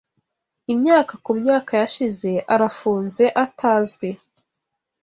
Imyaka kumyaka yashize, arafunze, atazwi